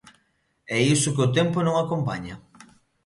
E iso que o tempo non acompaña.